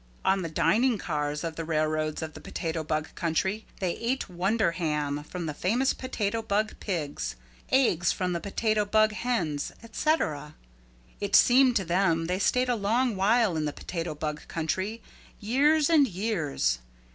On the dining cars of the railroads of the Potato Bug Country they ate wonder ham from the famous Potato Bug Pigs, eggs from the Potato Bug Hens, et cetera. It seemed to them they stayed a long while in the Potato Bug Country, years and years.